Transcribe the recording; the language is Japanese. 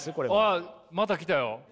ああまた来たよ。